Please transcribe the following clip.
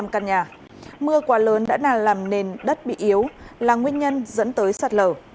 hai trăm ba mươi năm căn nhà mưa quá lớn đã làm nền đất bị yếu là nguyên nhân dẫn tới sạt lở